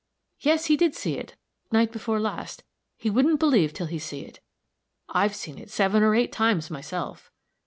"Yes, he did see it, night before last. He wouldn't believe till he see it. I've seen it seven or eight times myself."